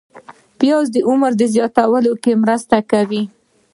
پیاز د عمر زیاتولو کې مرسته کوي